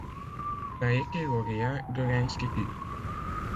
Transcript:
Il a été lauréat de l'Institut.